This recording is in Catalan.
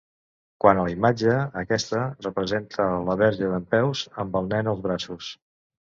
Quant a la imatge, aquesta representa la Verge dempeus amb el Nen als braços.